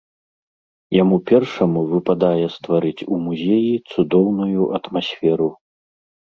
Яму першаму выпадае стварыць у музеі цудоўную атмасферу.